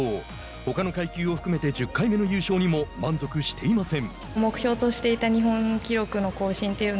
ほかの階級を含めて１０回目の優勝にも満足していません。